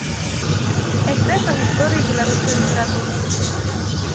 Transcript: Эсэ па гісторыі беларускай літаратуры.